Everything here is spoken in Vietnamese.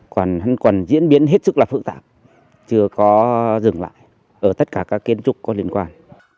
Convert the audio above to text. còn diễn biến hết sức là phức tạp chưa có dừng lại ở tất cả các kiến trúc có liên quan